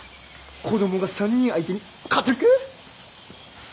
子供が３人相手に勝てるか？